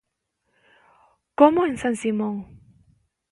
Como en San Simón.